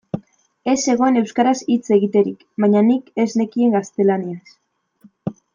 Ez zegoen euskaraz hitz egiterik, baina nik ez nekien gaztelaniaz.